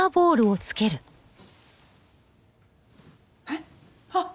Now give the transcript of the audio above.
えっ？